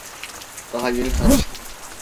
Daha yeni tanıştık.